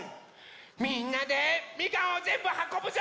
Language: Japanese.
みんなでみかんをぜんぶはこぶぞ！